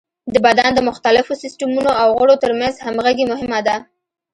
د بدن د مختلفو سیستمونو او غړو تر منځ همغږي مهمه ده.